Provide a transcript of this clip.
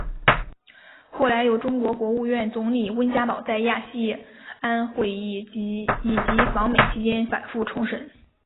后来有中国国务院总理温家宝在亚细安会议以及访美期间反复重申。